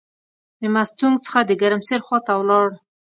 د مستونګ څخه د ګرمسیر خواته ولاړ.